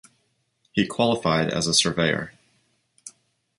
He qualified as a surveyor.